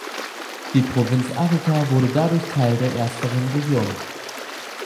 Die Provinz Arica wurde dadurch Teil der ersteren Region.